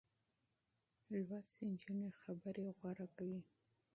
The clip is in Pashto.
تعليم شوې نجونې خبرې غوره کوي.